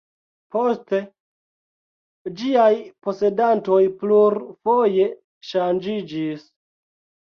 Poste ĝiaj posedantoj plurfoje ŝanĝiĝis.